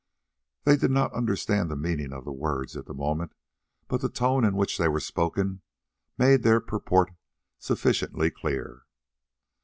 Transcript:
They did not understand the meaning of the words at the moment, but the tone in which they were spoken made their purport sufficiently clear.